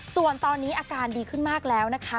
ส่วนตอนนี้อาการดีขึ้นมากแล้วนะคะ